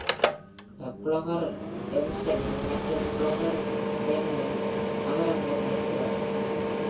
இது க்ளோகர் டெம்ஸ்னே மற்றும் க்ளோகர் டென்மென்ட்ஸ் நகரங்களில் நிற்கிறது.